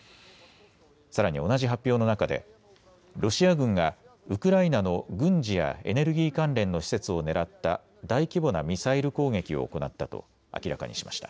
さらに同じ発表の中でロシア軍がウクライナの軍事やエネルギー関連の施設を狙った大規模なミサイル攻撃を行ったと明らかにしました。